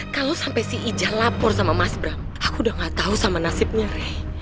kalau sampai si ija lapor sama mas bram aku udah gak tahu sama nasibnya rey